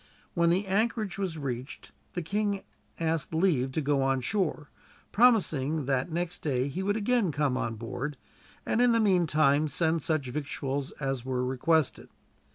When the anchorage was reached the king asked leave to go on shore, promising that next day he would again come on board, and in the meantime send such victuals as were requested.